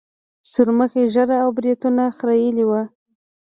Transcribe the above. سورمخي ږيره او برېتونه خرييلي وو.